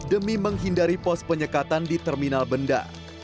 demi menghindari pos penyekatan di terminal benda